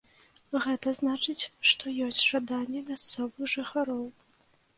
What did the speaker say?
Гэта значыць, што ёсць жаданне мясцовых жыхароў.